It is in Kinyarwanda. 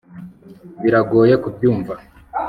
Biragoye kubyumva